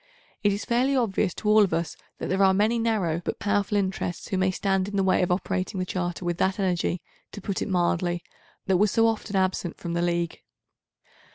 It is fairly obvious to all of us that there are many narrow but powerful interests who may stand in the way of operating the Charter with that energy, to put it mildly, that was so often absent from the League.